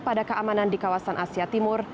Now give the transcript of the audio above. pada keamanan di kawasan asia timur